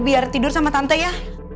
biar tidur sama tante ya